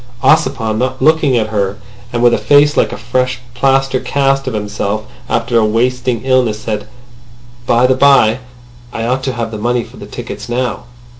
Ossipon, not looking at her, and with a face like a fresh plaster cast of himself after a wasting illness, said: "By the by, I ought to have the money for the tickets now."